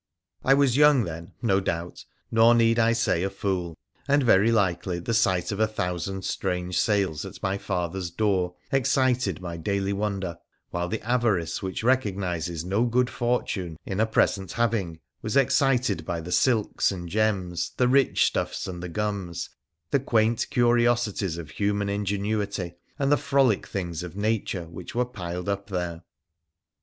I was young then, no doubt, nor need I say a fool ; and very likely the sight of a thousand strange sails at my father's door excited my daily wonder, while the avarice which recog nises no good fortune in a present having was excited by the silks and gems, the rich stuffs and the gums, the quaint curiosities of human ingenuity and the frolic things of nature, which were piled up there.